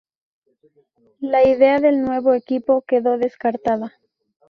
La idea del nuevo equipo quedó descartada.